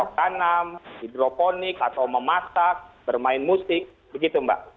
kita bisa berperok tanam hidroponik atau memasak bermain musik begitu mbak